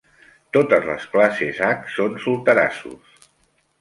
Totes les classes "H" són solterassos.